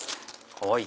かわいい！